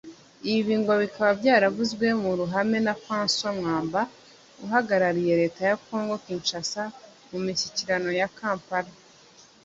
Ibi ngo bikaba byaravuzwe mu ruhame na Francois Mwamba uhagarariye Leta ya Congo Kinshasa mu mishyikirano ya Kampala